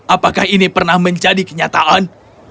apakah ini pernah menjadi kenyataan